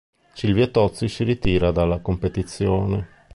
Silvio Tozzi si ritira dalla competizione.